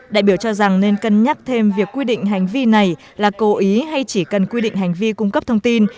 đại biểu cho rằng nên cân nhắc thêm việc quy định hành vi này là cố ý hay chỉ cần quy định hành vi cung cấp thông tin